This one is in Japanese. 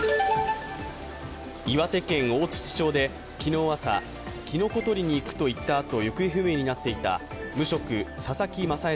岩手県大槌町で昨日朝、きのこ採りに行くと言ったあと行方不明になっていた無職、佐々木マサヱ